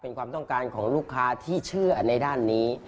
เป็นความต้องการของลูกค้าที่เชื่อในด้านนี้